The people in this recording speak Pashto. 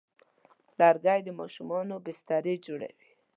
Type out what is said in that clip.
لرګی د ماشومانو بسترې جوړوي.